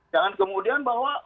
jangan kemudian bahwa